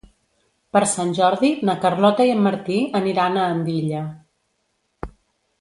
Per Sant Jordi na Carlota i en Martí aniran a Andilla.